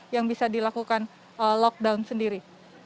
yang bisa dilakukan lockdown sendiri